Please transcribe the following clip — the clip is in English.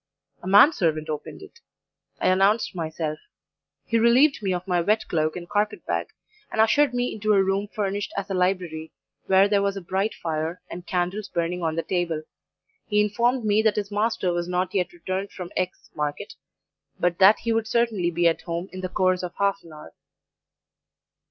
A man servant opened it I announced myself he relieved me of my wet cloak and carpet bag, and ushered me into a room furnished as a library, where there was a bright fire and candles burning on the table; he informed me that his master was not yet returned from X market, but that he would certainly be at home in the course of half an hour.